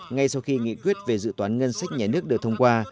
ngay sau khi nghị quyết về dự toán ngân sách nhà nước được thông qua